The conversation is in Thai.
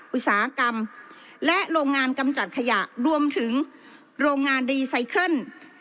อุตสาหกรรมและโรงงานกำจัดขยะรวมถึงโรงงานรีไซเคิล